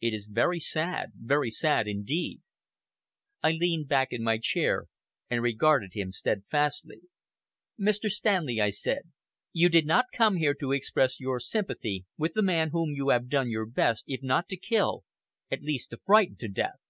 It is very sad very sad indeed." I leaned back in my chair and regarded him steadfastly. "Mr. Stanley," I said, "you did not come here to express your sympathy with the man whom you have done your best, if not to kill, at least to frighten to death.